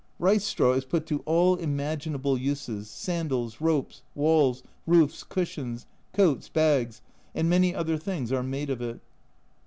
Rice straw is put to all imaginable uses : sandals, ropes, walls, roofs, cushions, coats, bags, and many other things are made of it.